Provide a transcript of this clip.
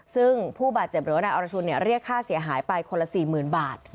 ซึ่งผู้บาดเจ็บหรือว่านายอรชุนเรียกค่าเสียหายไปคนละ๔๐๐๐บาท